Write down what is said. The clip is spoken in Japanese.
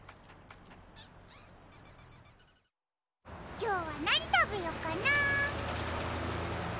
きょうはなにたべよっかな。